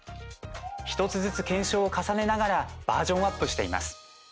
１つずつ検証を重ねながらバージョンアップしています。